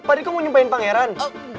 pak riko mau nyumpain pangeran